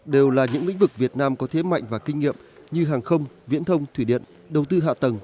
đều là những lĩnh vực việt nam có thế mạnh và kinh nghiệm như hàng không viễn thông thủy điện đầu tư hạ tầng